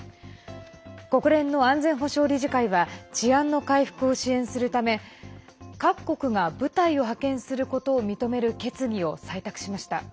国連の安全保障理事会は治安の回復を支援するため各国が部隊を派遣することを認める決議を採択しました。